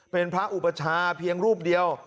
เป็นพระอุปชาเพียงรูปเดียว